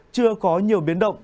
chưa có nhiều biến động